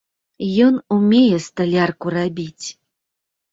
Ён умее сталярку рабіць.